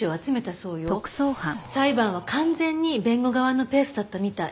裁判は完全に弁護側のペースだったみたい。